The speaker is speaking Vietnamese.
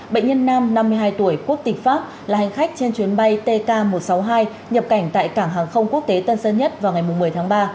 bệnh nhân nam năm mươi hai tuổi quốc tịch pháp là hành khách trên chuyến bay tk một trăm sáu mươi hai nhập cảnh tại cảng hàng không quốc tế tân sơn nhất vào ngày một mươi tháng ba